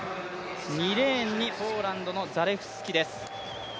２レーンにポーランドのザレフスキです。